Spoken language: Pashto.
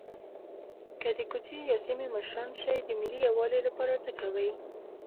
که د کوڅې یا سیمې مشران شئ د ملي یووالي لپاره څه کوئ.